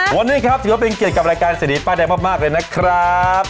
วันนี้ครับถือว่าเป็นเกียรติกับรายการเศรษฐีป้ายแดงมากเลยนะครับ